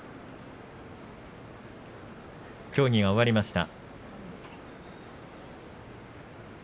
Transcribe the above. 協議が終わりました。